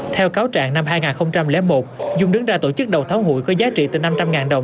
theo cáo trạng năm hai nghìn một dung đứng ra tổ chức đầu tháng hội có giá trị từ năm trăm linh đồng